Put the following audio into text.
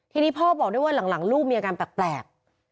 ทีนี้พ่อบอกด้วยว่าหลังลูกมีอาการแปลก